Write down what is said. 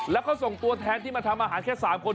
แล้วก็ส่งตัวแทนที่มาทำอาหารแค่๓คน